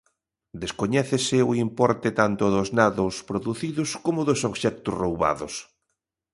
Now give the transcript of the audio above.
Descoñécese o importe tanto dos danos producidos como dos obxectos roubados.